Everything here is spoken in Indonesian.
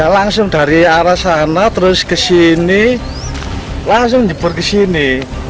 langsung dari arah sana terus ke sini langsung jebur ke sini